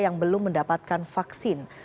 yang belum mendapatkan vaksin